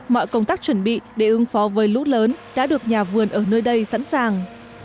mọi công tác chuẩn bị để ứng phó với lũ lớn đã được nhà vườn ở nơi đây sẵn sàng